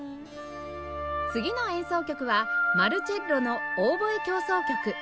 次の演奏曲はマルチェッロの『オーボエ協奏曲』